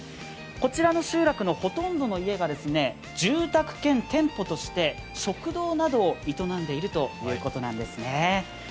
こちらの集落のほとんどの家が住宅兼店舗として食堂などを営んでいるということなんですね。